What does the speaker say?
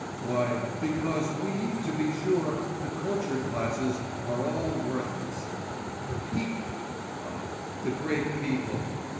Why, because we, to be sure, the cultured classes are all worthless; but the people.... Oh, the great people!